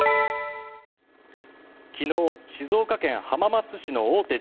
昨日、静岡県浜松市の大手